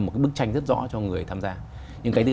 một bức tranh rất rõ cho người tham gia nhưng cái thứ